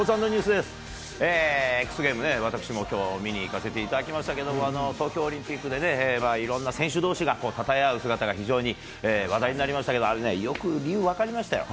エックスゲームズね、私もきょう、見に行かせていただきましたけど、東京オリンピックでね、いろんな選手どうしがたたえ合う姿が非常に話題になりましたけども、あれね、よく分かりましたよ。